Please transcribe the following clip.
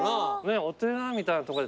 お寺みたいなとこで。